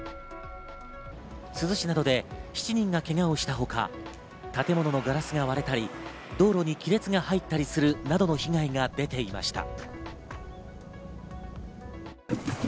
珠洲市などで７人がけがをしたほか、建物のガラスが割れたり、道路に亀裂が入ったりするなどの被害が出ていました。